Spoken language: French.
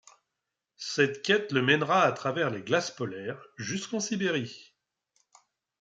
Cette quête le mènera à travers les glaces polaires jusqu'en Sibérie...